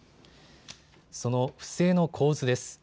その不正の構図です。